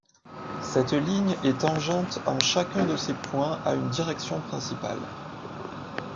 Cette ligne est tangente en chacun de ses points à une direction principale.